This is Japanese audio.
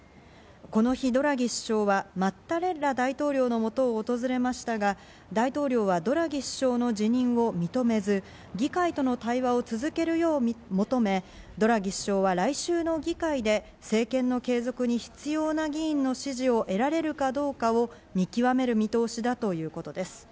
この日、ドラギ首相はマッタレッラ大統領のもとを訪れましたが、大統領はドラギ首相の辞任を認めず、議会との対話を続けるよう求め、ドラギ首相は来週の議会で、政権の継続に必要な議員の支持を得られるかどうかを見極める見通しだということです。